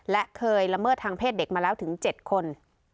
และเคยละเมิดทางเพศเด็กมาแล้วถึง๗คน